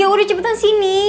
ya udah cepetan sini